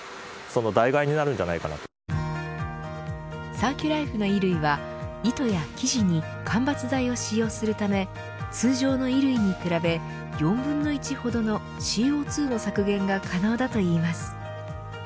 サーキュライフの衣類は糸や生地に間伐材を使用するため通常の衣類に比べ４分の１ほどのＣＯ２の削減が可能だといいます。